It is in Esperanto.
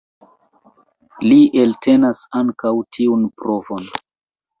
Li eltenas ankaŭ tiun provon.